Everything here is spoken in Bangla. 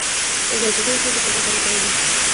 এ গল্পটিও সর্বত্র প্রচারিত হইল।